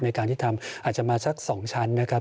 ในการที่ทำอาจจะมาสัก๒ชั้นนะครับ